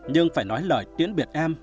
nhưng phải nói lời tiễn biệt em